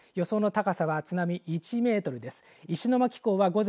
予想の高さは津波１メートルです。